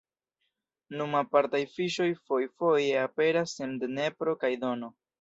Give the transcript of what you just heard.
Nun apartaj fiŝoj fojfoje aperas en Dnepro kaj Dono.